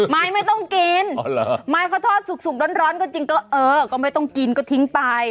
ไม้ไม่ต้องกินไม้เขาทอดสุกร้อนก็จริงก็เออก็ไม่ต้องกินก็ทิ้งไป